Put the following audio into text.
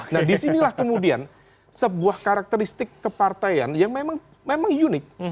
nah disinilah kemudian